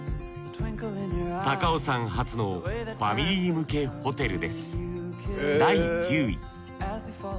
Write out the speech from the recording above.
高尾山初のファミリー向けホテルです